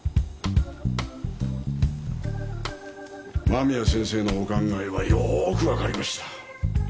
間宮先生のお考えはよーく分かりました。